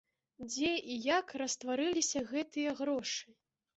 Дзе і як растварыліся гэтыя грошы?